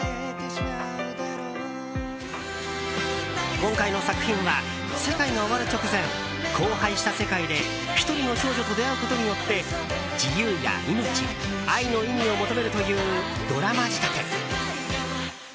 今回の作品は世界が終わる直前荒廃した世界で１人の少女と出会うことによって自由や命、愛の意味を求めるというドラマ仕立て。